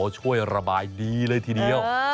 ช่วยระบายดีเลยทีนี้